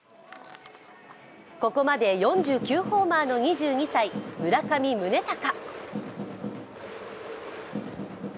ここまで４９ホーマーの２２歳、村上宗隆。